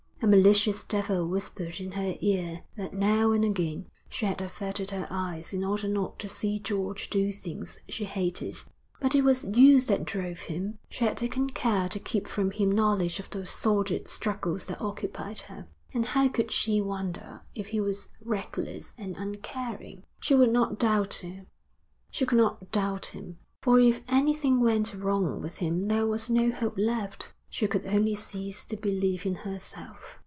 A malicious devil whispered in her ear that now and again she had averted her eyes in order not to see George do things she hated. But it was youth that drove him. She had taken care to keep from him knowledge of the sordid struggles that occupied her, and how could she wonder if he was reckless and uncaring? She would not doubt him, she could not doubt him, for if anything went wrong with him there was no hope left. She could only cease to believe in herself.